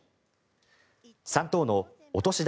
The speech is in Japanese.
３等のお年玉